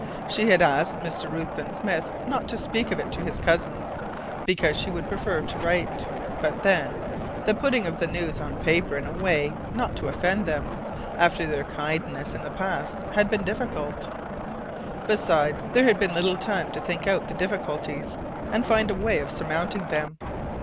She had asked Mr. Ruthven Smith not to speak of it to his cousins, because she would prefer to write. But then the putting of the news on paper in a way not to offend them, after their kindness in the past, had been difficult. Besides, there had been little time to think out the difficulties, and find a way of surmounting them.